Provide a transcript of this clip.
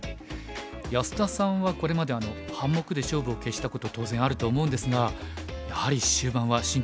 安田さんはこれまで半目で勝負を決したこと当然あると思うんですがやはり終盤は神経使うんでしょうか？